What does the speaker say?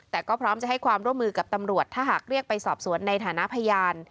แต่ก็พร้อมจะให้ความร่วมมือกับตำรวจถ้าหากเรียกไปสอบสวนในฐานะพยาน